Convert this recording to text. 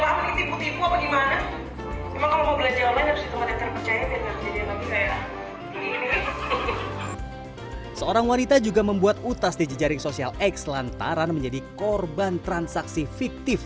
hai seorang wanita juga membuat utas di jejaring sosial x lantaran menjadi korban transaksi fiktif